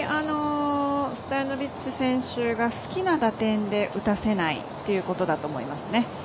ストヤノビッチ選手が好きな打点で打たせないということだと思います。